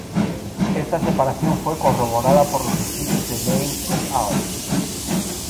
Esta separación fue corroborada por los estudios de Lane "et al".